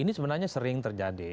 ini sebenarnya sering terjadi